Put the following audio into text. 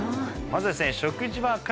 まず。